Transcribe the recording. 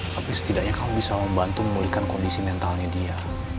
tapi setidaknya kamu bisa membantu memulihkan kondisi mentalnya dia